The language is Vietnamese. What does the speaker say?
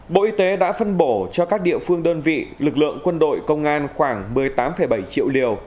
bộ y tế đã phân bổ cho các địa phương đơn vị lực lượng quân đội công an khoảng một mươi tám bảy triệu liều